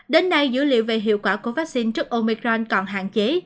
đến nay dữ liệu về hiệu quả của vaccine trước omicron còn hạn chế